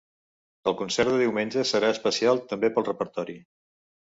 El concert de diumenge serà especial també pel repertori.